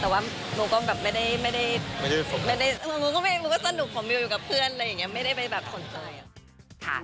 แต่ว่าโมก็แบบไม่ได้มูก็สนุกของมิวอยู่กับเพื่อนอะไรอย่างนี้ไม่ได้ไปแบบสนใจ